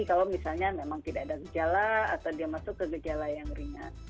kalau misalnya memang tidak ada gejala atau dia masuk ke gejala yang ringan